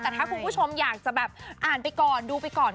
แต่ถ้าคุณผู้ชมอยากจะแบบอ่านไปก่อนดูไปก่อน